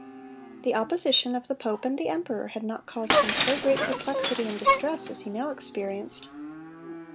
The opposition of the pope and the emperor had not caused him so great perplexity and distress as he now experienced.